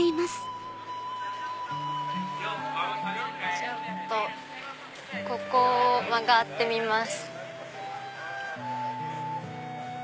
ちょっとここを曲がってみます。